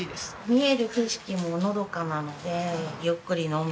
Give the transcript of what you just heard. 見える景色ものどかなので。